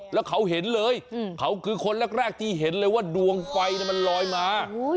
แล้วเขาเห็นเลยเขาคือคนแรกที่เห็นเลยว่าดวงไฟมันลอยมา